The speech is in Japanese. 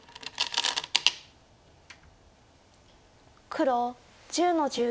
黒１０の十九。